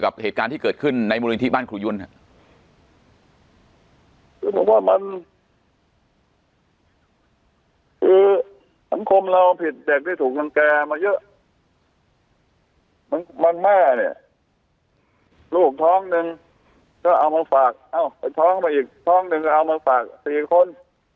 มันแม่เนี่ยลูกท้องนึงก็เอามาฝากเอ้าไปท้องมาอีกท้องนึงก็เอามาฝากสี่คน